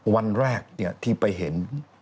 วันแรกที่ไปเห็น